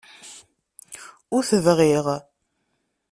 Ur t-bɣiɣ.